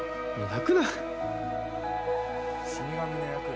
泣くな。